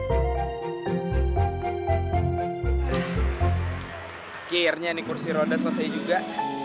akhirnya ini kursi roda selesai juga